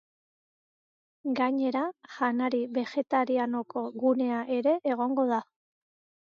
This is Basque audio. Gainera, janari begetarianoko gunea ere egongo da.